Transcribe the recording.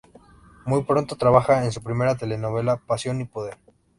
Muy pronto trabaja en su primera telenovela "Pasión y poder".